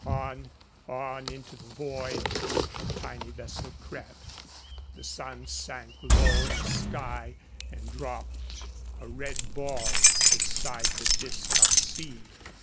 On, on into the void, the tiny vessel crept. The sun sank low in the sky and dropped, a red ball, behind the disk of sea.